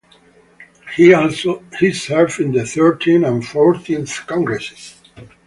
He served in the Thirteenth and Fourteenth Congresses.